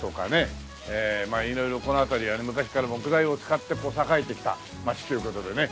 まあ色々この辺りは昔から木材を使って栄えてきた街という事でね。